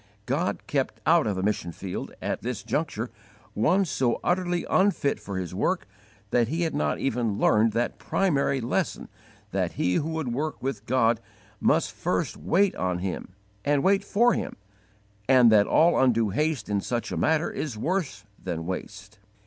God kept out of the mission field, at this juncture, one so utterly unfit for His work that he had not even learned that primary lesson that he who would work with God must first wait on Him and wait for Him, and that all undue haste in such a matter is worse than waste.